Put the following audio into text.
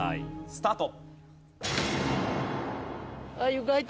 スタート！